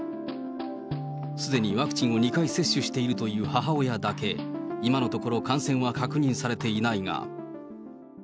すでにワクチンを２回接種しているという母親だけ、今のところ、感染は確認されていないが。